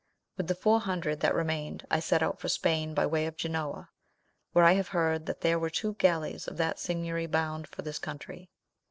With the four hundred that remained, I set out for Spain, by way of Genoa, where I had heard that there were two galleys of that signory bound for this country.